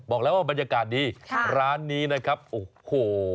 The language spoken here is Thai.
บอกแล้วว่าบรรยากาศดีร้านนี้นะครับโอ้โห